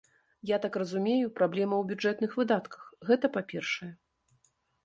Я так разумею, праблема ў бюджэтных выдатках, гэта па-першае.